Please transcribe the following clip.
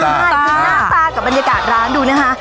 ข้างหน้ากับบรรยากาศร้านดูนะคะ